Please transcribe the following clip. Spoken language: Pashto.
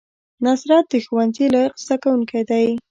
نصرت د ښوونځي لایق زده کوونکی دی